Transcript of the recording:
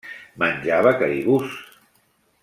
Menjava caribús.